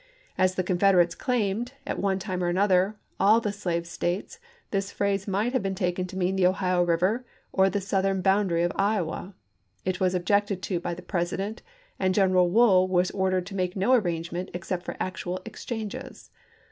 As the Confederates claimed, at one time or another, all the slave States, this phrase might have been taken to mean the Ohio Eiver or the Southern boundary of Iowa. It was objected to by the President, and General Wool was ordered to make no arrangement except for actual ex changes.